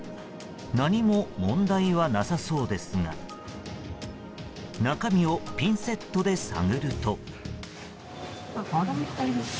何も問題はなさそうですが中身をピンセットで探ると。